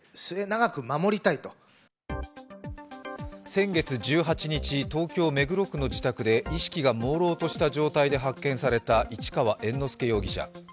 先月１８日、東京・目黒区の自宅で、意識がもうろうとした状態で発見された市川猿之助容疑者。